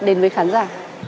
đến với khán giả